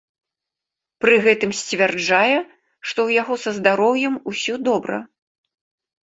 Пры гэтым сцвярджае, што ў яго са здароўем усё добра.